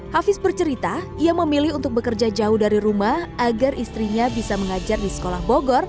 hafiz bercerita ia memilih untuk bekerja jauh dari rumah agar istrinya bisa mengajar di sekolah bogor